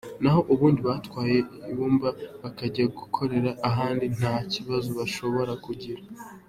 Naho ubundi batwaye ibumba bakajya gukorera ahandi nta kibazo bashobora kugira.